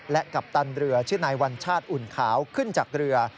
และกัปตันเรือชื่อนายวัญชาติอุ่นขาวขึ้นจากเรือ